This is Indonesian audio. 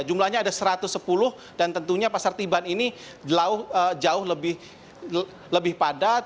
jumlahnya ada satu ratus sepuluh dan tentunya pasar tiban ini jauh lebih padat